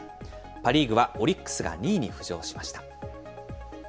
パ・リーグはオリックスが２位に浮上しました。